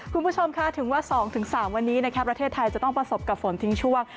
คุณผู้ชมค่ะถึงว่า๒๓วันนี้ประเทศไทยจะต้องประสบกับฝนทิ้งช่วง